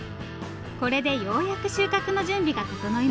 これでようやく収穫の準備が整います。